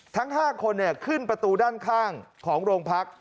ทั้ง๕คนขึ้นประตูด้านข้างของโรงพัก